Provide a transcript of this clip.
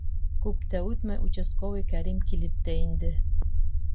Күп тә үтмәй, участковый Кәрим килеп тә инде.